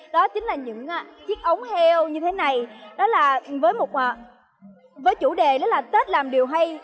đó chính là những chiếc ống heo như thế này đó là với chủ đề tết làm điều hay